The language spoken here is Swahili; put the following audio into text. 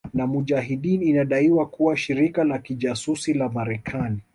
na mujahideen inadaiwa kuwa shirika la kijasusi la Marekani